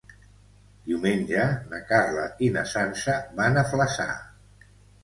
Diumenge na Carla i na Sança van a Flaçà.